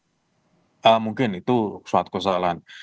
kalau dia mengoperasikan bus mungkin itu suatu kesalahan